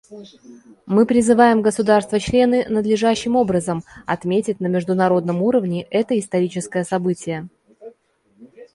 Мы призываем государства-члены надлежащим образом отметить на международном уровне это историческое событие.